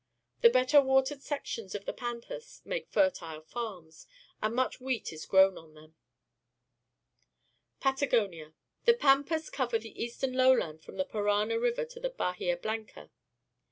The better watered sections of the pampas make fertile farms, and much wheat is grown on them. Patagonia. — The pampas cover the eastern lowland from the Parana River to Bahia Blanca.